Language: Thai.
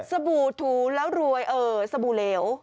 บู่ถูแล้วรวยเออสบู่เหลว